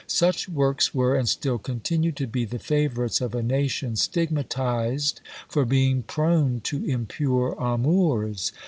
Such works were, and still continue to be, the favourites of a nation stigmatized for being prone to impure amours.